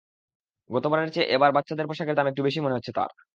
গতবারের চেয়ে এবার বাচ্চাদের পোশাকের দাম একটু বেশি মনে হচ্ছে তাঁর।